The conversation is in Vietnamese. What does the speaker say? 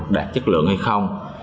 đạt chất lượng hay không